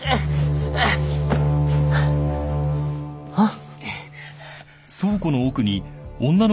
あっ。